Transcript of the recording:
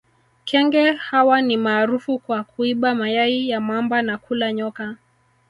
Kenge hawa ni maarufu kwa kuiba mayai ya mamba na kula nyoka